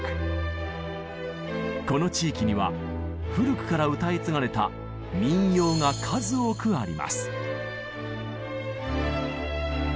この地域には古くから歌い継がれた民謡が数多くあります。